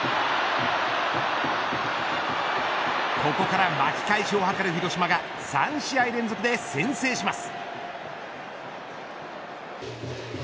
ここから巻き返しを図る広島が３試合連続で先制します。